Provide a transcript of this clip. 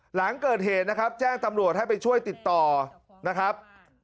หลังเกิดเหตุนะครับแจ้งตำรวจให้ไปช่วยติดต่อนะครับ